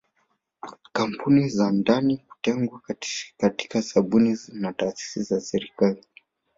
Kampuni za ndani kutengwa katika zabuni na taasisi za serikali